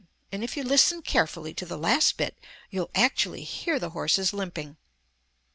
And if you listen carefully to the last bit you'll actually hear the horses limping."